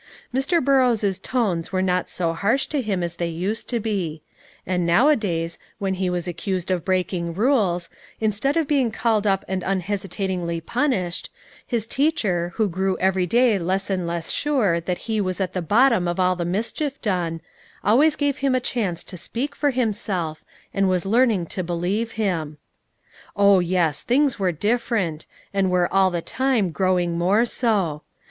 Mr. Burrows' tones were not so harsh to him as they used to be; and now a days, when he was accused of breaking rules, instead of being called up and unhesitatingly punished, his teacher, who grew every day less and less sure that he was at the bottom of all the mischief done, always gave him a chance to speak for himself, and was learning to believe him. Oh yes! things were different, and were all the time growing more so.